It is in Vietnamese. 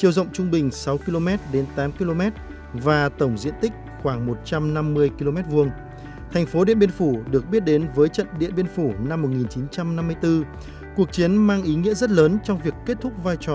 điện biên phủ